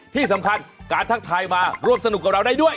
ที่สำคัญการทักทายมาร่วมสนุกกับเราได้ด้วย